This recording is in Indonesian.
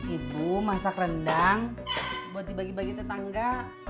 ibu masak rendang buat dibagi bagi tetangga